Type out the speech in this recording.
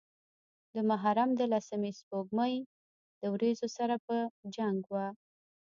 د محرم د لسمې سپوږمۍ د وريځو سره پۀ جنګ وه